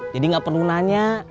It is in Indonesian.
jadi gak perlu nanya